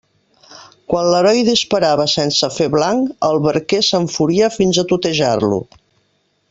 Quan l'heroi disparava sense fer blanc, el barquer s'enfuria fins a tutejar-lo.